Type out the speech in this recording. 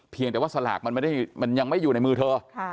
แต่ว่าสลากมันยังไม่อยู่ในมือเธอ